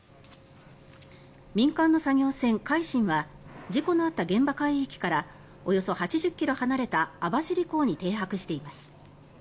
民間の作業船「海進」は事故のあった現場海域からおよそ８０ｋｍ離れた網走港に停泊しています。